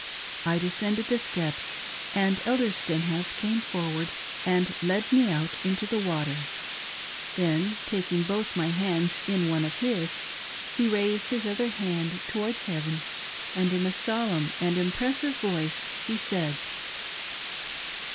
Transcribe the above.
I descended the steps, and Elder Stenhouse came forward and led me out into the water ; then taking both my hands in one of his, he raised his other hand towards heaven, and in a solemn and impressive voice he said : 54 I RECEIVE THE BLESSINGS OF THE PRIESTHOOD.